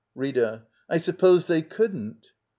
Rita. I suppose they couldn't.